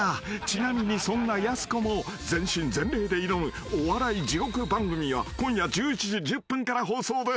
［ちなみにそんなやす子も全身全霊で挑むお笑い地獄番組は今夜１１時１０分から放送です］